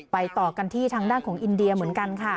ต่อกันที่ทางด้านของอินเดียเหมือนกันค่ะ